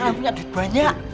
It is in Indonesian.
bakalan punya duit banyak